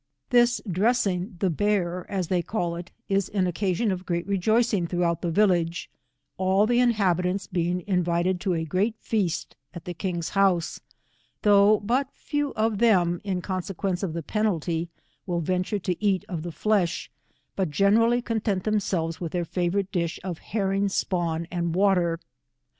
This dressing the bear, as they call it, is an oc casion of great rejoicing throughout the village, all the inhabitants being invited to a great feast at the king's house, though but few of them, in conse quence of the penalty, will venture to eat of the flesh, but generally content themselves with tlieir favourite dish of iierring spawn and water.